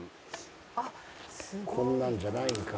こんなんじゃないんか？